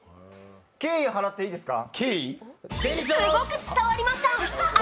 敬意を払っていいですか？